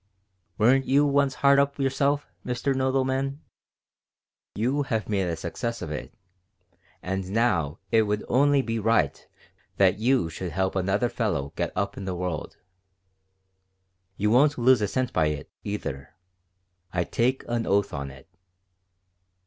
"Weren't you once hard up yourself, Mr. Nodelman? You have made a success of it, and now it would only be right that you should help another fellow get up in the world. You won't lose a cent by it, either. I take an oath on it."